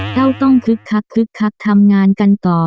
ต้องคึกคักคึกคักทำงานกันต่อ